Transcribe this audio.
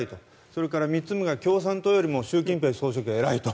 それから３つ目が、共産党よりも習近平総書記が偉いと。